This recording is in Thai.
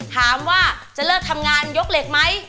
ถามว่าจะเลิกทำงานยกเหล็กไหม